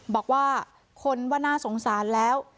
บอกว่าคนว่าน่าสงสารแล้ว